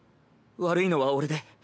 悪いのは俺で。